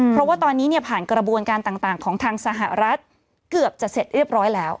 เพราะว่าตอนนี้เนี่ยผ่านกระบวนการต่างของทางสหรัฐเกือบจะเสร็จเรียบร้อยแล้ว